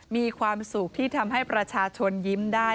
มีความสุขที่ทำให้ประชาชนยิ้มได้